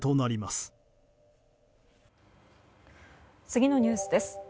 次のニュースです。